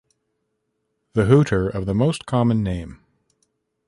The Hooter of the most common name